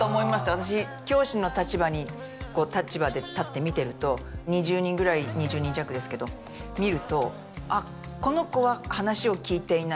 私教師の立場に立場で立って見てると２０人ぐらい２０人弱ですけど見るとあっこの子は話を聞いていない